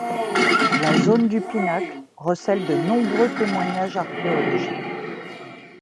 La zone du Pinacle recèle de nombreux témoignages archéologiques.